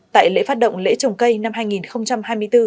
tại lễ phát động lễ trồng cây năm hai nghìn hai mươi bốn